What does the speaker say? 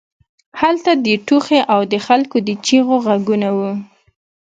هلته د ټوخي او د خلکو د چیغو غږونه وو